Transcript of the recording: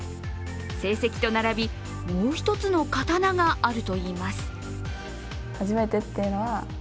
成績と並び、もう一つの刀があるといいます。